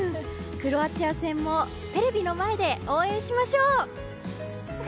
クロアチア戦もテレビの前で応援しましょう！